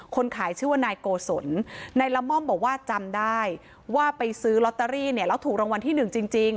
คนขายชื่อว่านายโกศลนายละม่อมบอกว่าจำได้ว่าไปซื้อลอตเตอรี่เนี่ยแล้วถูกรางวัลที่หนึ่งจริง